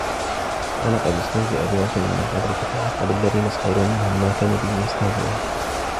ولقد استهزئ برسل من قبلك فحاق بالذين سخروا منهم ما كانوا به يستهزئون